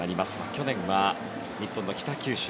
去年は日本の北九州